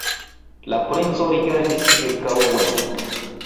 La princo rigardis ĉirkaŭen.